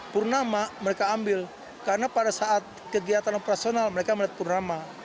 purnama mereka ambil karena pada saat kegiatan operasional mereka melihat purnama